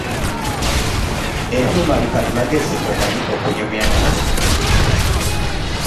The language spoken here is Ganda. Ebyuma bikalimagezi omanyi okunyumya nabyo?